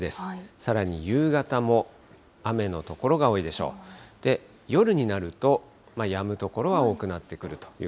さらに夕方も雨の所が多いでしょう。